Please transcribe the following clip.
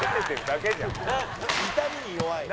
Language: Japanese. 「痛みに弱い」